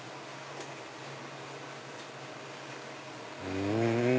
うん！